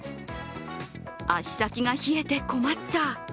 足先が冷えて困った。